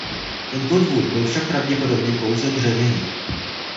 Tento dvůr byl však pravděpodobně pouze dřevěný.